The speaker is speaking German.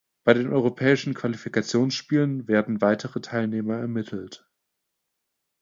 Bei den europäischen Qualifikationsspielen werden weitere Teilnehmer ermittelt.